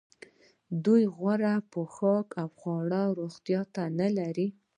دوی غوره پوښاک او خواړه او روغتیا نلري